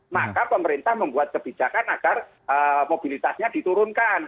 maka pemerintah membuat kebijakan agar mobilitasnya diturunkan